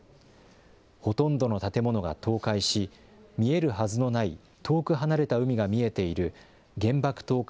ほとんどの建物が倒壊し、見えるはずのない遠く離れた海が見えている、原爆投下